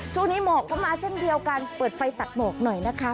ช่วงนี้เหงาความมาเชื่อมเตียวกันเปิดไฟตัดหมอกหน่อยนะคะ